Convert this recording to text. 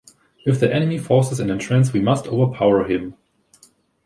If the enemy forces an entrance we must overpower him.